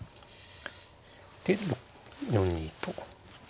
で４二と。